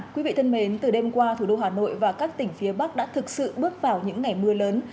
quý vị thân mến từ đêm qua thủ đô hà nội và các tỉnh phía bắc đã thực sự bước vào những ngày mưa lớn